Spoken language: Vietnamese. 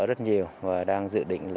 rất nhiều và đang dự định